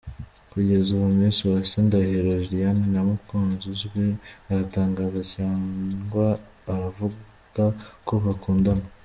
Kugeza ubu Miss Uwase Ndahiro Liliane nta mukunzi uzwi aratangaza cyangwa uravuga ko bakundana.